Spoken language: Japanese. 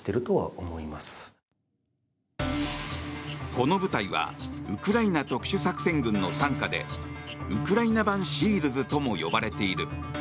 この部隊はウクライナ特殊作戦軍の傘下でウクライナ版ＳＥＡＬｓとも呼ばれている。